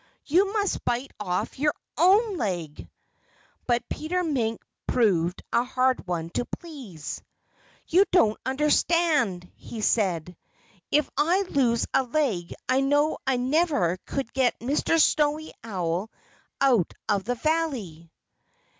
You must bite off your own leg!" But Peter Mink proved a hard one to please. "You don't understand!" he said. "If I lose a leg I know I never could get Mr. Snowy Owl out of the valley."